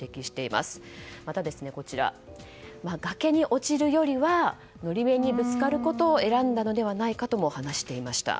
また、崖に落ちるよりは法面にぶつかることを選んだのではないかとも話していました。